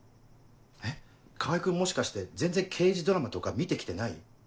えっ川合君もしかして全然刑事ドラマとか見て来てない？